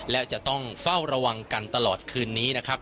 และจะต้องเฝ้าระวังกันตลอดคืนนี้นะครับ